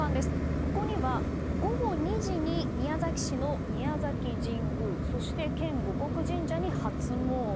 ここには午後２時に、宮崎市の宮崎神宮そして県護国神社に初詣。